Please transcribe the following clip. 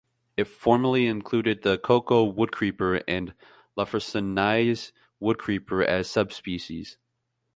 It formerly included the cocoa woodcreeper and the Lafresnaye's woodcreeper as subspecies.